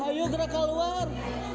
ayo gerak keluar